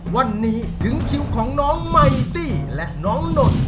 วันนี้ถึงคิวของน้องไมตี้และน้องหน่น